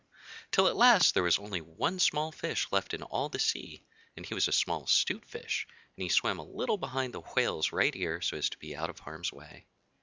Till at last there was only one small fish left in all the sea, and he was a small 'Stute Fish, and he swam a little behind the Whale's right ear, so as to be out of harm's way.